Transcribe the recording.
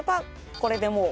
これでもう。